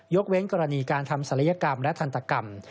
เว้นกรณีการทำศัลยกรรมและทันตกรรม